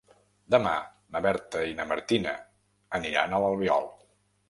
Demà na Berta i na Martina aniran a l'Albiol.